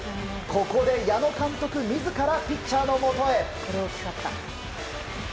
ここで矢野監督自らピッチャーのもとへ。